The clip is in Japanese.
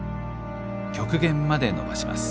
極限までのばします